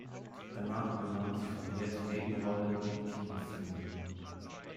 Danach übernahm sie vermehrt Nebenrollen in Kinofilmen.